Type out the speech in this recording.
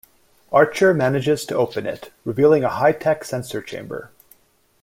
Archer manages to open it, revealing a high-tech sensor chamber.